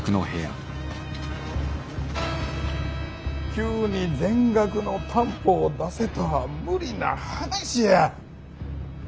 急に全額の担保を出せとは無理な話や。